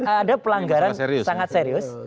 ada pelanggaran sangat serius